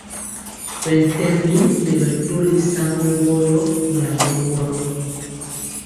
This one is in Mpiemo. Bɛ ntembi nɛ bɛtɔli saŋgɔ woro, nyagɔ woro.